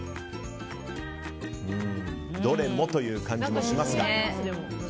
どれもという感じもしますが。